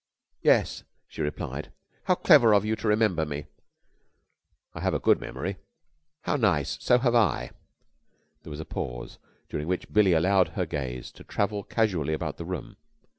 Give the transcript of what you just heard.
"Yes," she replied. "How clever of you to remember me." "I have a good memory." "How nice! So have I!" There was a pause, during which Billie allowed her gaze to travel casually about the room.